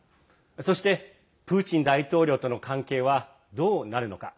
そしてプーチン大統領との関係はどうなるのか。